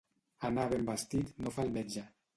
Anar ben vestit no fa el metge.